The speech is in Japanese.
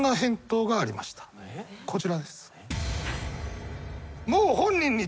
こちらです。